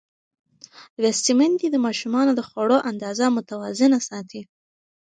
لوستې میندې د ماشومانو د خوړو اندازه متوازنه ساتي.